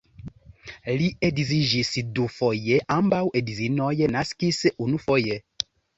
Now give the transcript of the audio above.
Li edziĝis dufoje, ambaŭ edzinoj naskis unufoje.